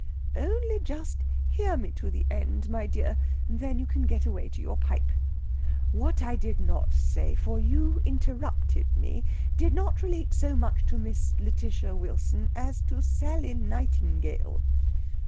"Only just hear me to the end, my dear, and then you can get away to your pipe. What I did not say for you interrupted me did not relate so much to Miss Lætitia Wilson as to Sally Nightingale.